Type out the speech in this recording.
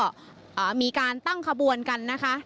ก็มีการตั้งขบวนกันนะคะ